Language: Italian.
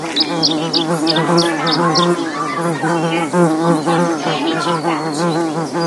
L'edizione standard di "Stronger" contiene tredici tracce.